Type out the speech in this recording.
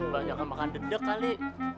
banyak yang makan dedek kali